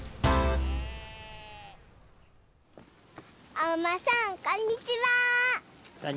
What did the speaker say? おうまさんこんにちは。